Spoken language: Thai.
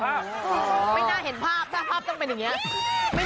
ไม่น่าเห็นภาพถ้าภาพต้องเป็นอย่างนี้